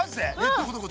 どこどこ？